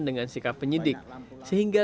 dengan sikap penyidik sehingga